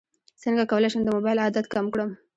څنګه کولی شم د موبایل عادت کم کړم